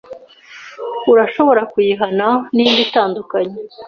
Urashobora kuyihana nindi itandukanye?